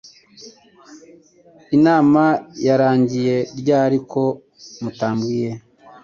Inama yarangiye ryari ko mutabwiye ?.